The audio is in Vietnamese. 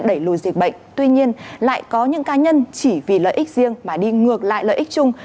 đẩy lùi dịch bệnh tuy nhiên lại có những cá nhân chỉ vì lợi ích riêng mà đi ngược lại lợi ích chung